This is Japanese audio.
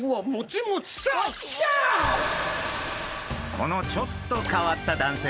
このちょっと変わった男性。